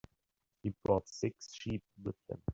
He brought six sheep with him.